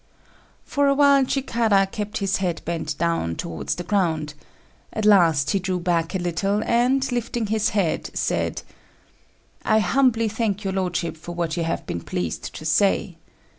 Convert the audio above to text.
For a while Chikara kept his head bent down towards the ground; at last he drew back a little, and, lifting his head, said, "I humbly thank your lordship for what you have been pleased to say.